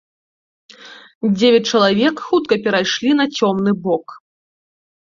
Дзевяць чалавек, хутка перайшлі на цёмны бок.